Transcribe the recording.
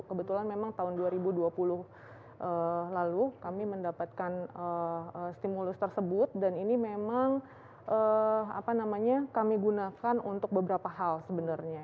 kebetulan memang tahun dua ribu dua puluh lalu kami mendapatkan stimulus tersebut dan ini memang kami gunakan untuk beberapa hal sebenarnya